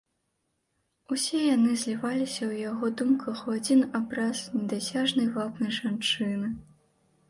Усе яны зліваліся ў яго думках у адзін абраз недасяжнай вабнай жанчыны.